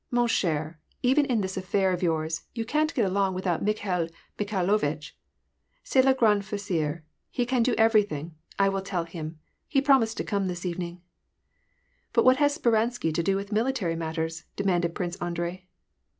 WAR AND PEACE. 167 " Mon cheTj even in this affair of yours, yon can't get along without Mikhail Mikhailovitch.* C^est le grand faiseur ; he can do everything. I will tell him. He promised to come this evening." " But what has Speransky to do with military matters ?" demanded Prince Andrei.